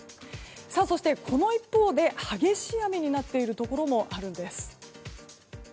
そして、この一方で激しい雨になっているところもあるんです。